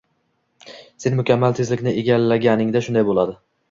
sen mukammal tezlikni egallaganingda shunday bo‘ladi.